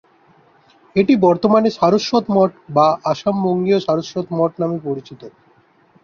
এটি বর্তমানে "সারস্বত মঠ" বা "আসাম বঙ্গীয় সারস্বত মঠ" নামে পরিচিত।